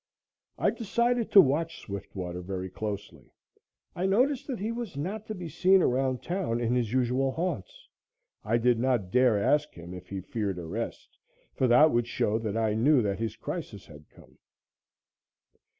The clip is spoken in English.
I decided to watch Swiftwater very closely. I noticed that he was not to be seen around town in his usual haunts. I did not dare ask him if he feared arrest, for that would show that I knew that his crisis had come.